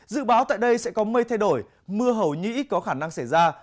dự báo tại đây sẽ có mây thay đổi mưa hầu như ít có khả năng xảy ra